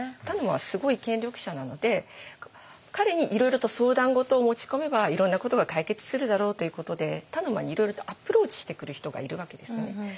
田沼はすごい権力者なので彼にいろいろと相談事を持ち込めばいろんなことが解決するだろうということで田沼にいろいろとアプローチしてくる人がいるわけですよね。